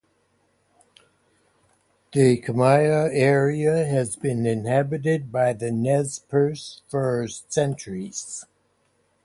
The Kamiah area has been inhabited by the Nez Perce for centuries.